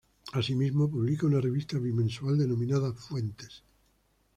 Asimismo, publica una revista bimensual denominada "Fuentes".